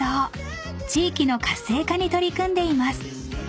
［地域の活性化に取り組んでいます］